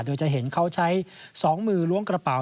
โดยจะเห็นเขาใช้๒มือล้วงกระเป๋า